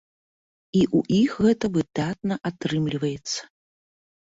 І ў іх гэта выдатна атрымліваецца!